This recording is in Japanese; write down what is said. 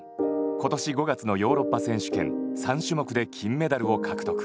今年５月のヨーロッパ選手権３種目で金メダルを獲得。